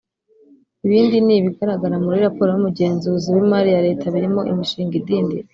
Ibindi ni ibigaragara muri raporo y’Umugenzuzi w’imari ya Leta birimo imishinga idindira